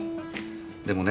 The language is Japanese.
でもねえ